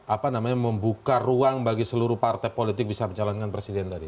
apa namanya membuka ruang bagi seluruh partai politik bisa mencalonkan presiden tadi